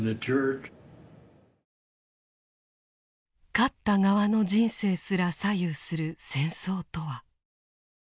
勝った側の人生すら左右する戦争とは。